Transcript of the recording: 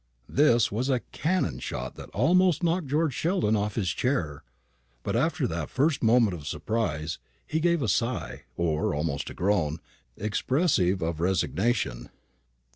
This was a cannon shot that almost knocked George Sheldon off his chair; but after that first movement of surprise, he gave a sigh, or almost a groan, expressive of resignation.